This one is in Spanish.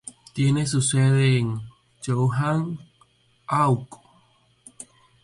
Tiene su sede en Thousand Oaks.